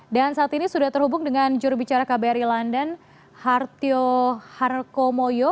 dan saat ini sudah terhubung dengan jurubicara kbri london hartio harkomoyo